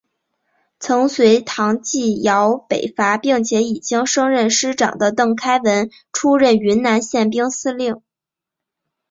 曾随唐继尧北伐并且已经升任师长的郑开文出任云南宪兵司令。